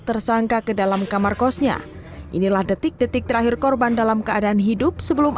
tersangka ke dalam kamar kosnya inilah detik detik terakhir korban dalam keadaan hidup sebelum